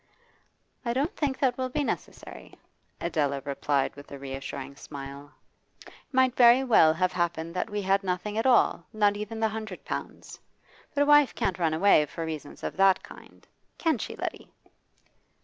'I don't think that will be necessary,' Adela replied with a reassuring smile. 'It might very well have happened that we had nothing at all, not even the hundred pounds; but a wife can't run away for reasons of that kind can she, Letty?